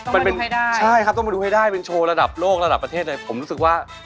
ต้องมาดูให้ได้ครับเป็นโชว์ระดับโลกระดับประเทศเลยผมรู้สึกว่า